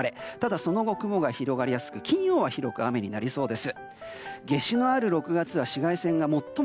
その後、雲が広がりやすく金曜は広く雨になりそうです。